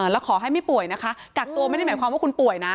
แล้วขอให้ไม่ป่วยนะคะกักตัวไม่ได้หมายความว่าคุณป่วยนะ